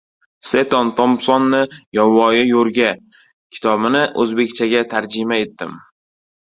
Seton-Tompsonni «Yovvoyi yo‘rga» kitobini o‘zbekchaga tarjima etdim.